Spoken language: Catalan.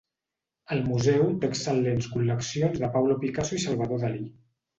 El museu té excel·lents col·leccions de Pablo Picasso i Salvador Dalí.